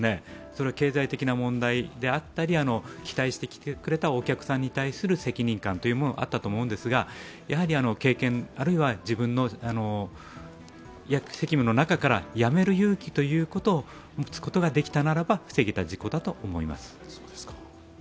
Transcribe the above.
それは経済的な問題であったり、期待して来てくれたお客さんに対する責任感もあったと思うんですが、やはり経験あるいは自分の責務の中からやめる勇気ということを持つことができたならば防げた事故だと思います。